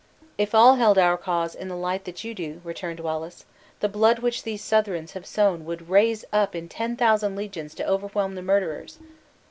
"It all held our cause in the light that you do," returned Wallace, "the blood which these Southrons have sown would rise up in ten thousand legions to overwhelm the murderers!"